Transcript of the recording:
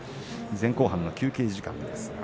前後半の休憩時間です。